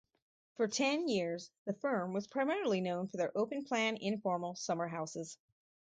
For ten years, the firm was primarily known for their open-plan informal summer houses.